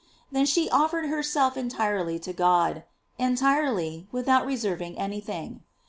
Then she offered herself entirely to God; entirely, without reserving any thing.